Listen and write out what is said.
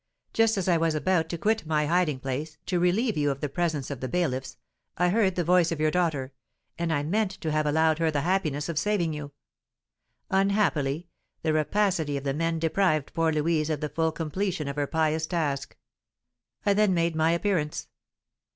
Just as I was about to quit my hiding place, to relieve you of the presence of the bailiffs, I heard the voice of your daughter, and I meant to have allowed her the happiness of saving you. Unhappily, the rapacity of the men deprived poor Louise of the full completion of her pious task. I then made my appearance.